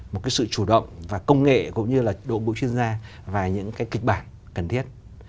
một cái sự chủ động và công nghệ cũng như là đội ngũ chuyên gia và những cái kịch bản cần thiết